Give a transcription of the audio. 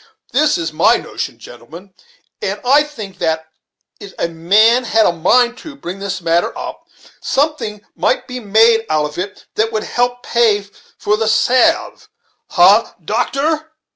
This is my notion, gentlemen: and I think that it a man had a mind to bring this matter up, something might be made out of it that would help pay for the salve ha! doctor!"